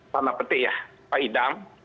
pada peti ya pak itam